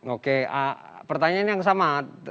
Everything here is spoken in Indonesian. oke pertanyaan yang sama